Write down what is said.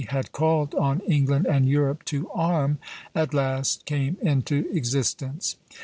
had called on England and Europe to arm, at last came into existence."